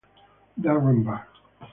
Darren Barr